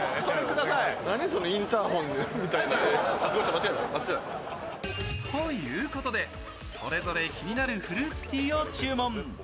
間違えた、あっちだ。ということで、それぞれ気になるフルーツティーを注文。